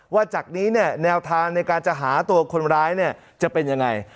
ว่าจากนี้แนวทางในการจะหาตัวคนร้ายจะเป็นอย่างไร